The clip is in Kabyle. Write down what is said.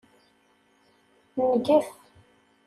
Ngef.